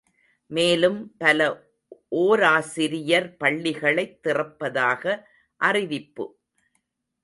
மேலும் பல ஓராசிரியர் பள்ளிகளைத் திறப்பதாக அறிவிப்பு!